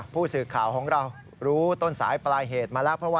ผู้สื่อข่าวของเรารู้ต้นสายปลายเหตุมาแล้ว